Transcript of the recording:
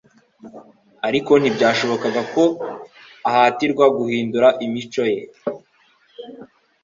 Ariko ntibyashobokaga ko ahatirwa guhindura imico Ye